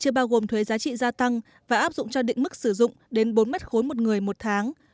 chưa bao gồm thuế giá trị gia tăng và áp dụng cho định mức sử dụng đến bốn mét khối một người một tháng